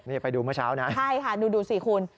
นี่ไปดูเมื่อเช้านะใช่ค่ะดูสิคุณ